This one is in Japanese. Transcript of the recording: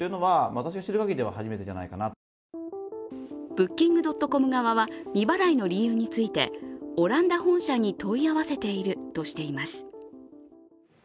Ｂｏｏｋｉｎｇ．ｃｏｍ側は未払いの理由について、オランダ本社に問い合わせているとしています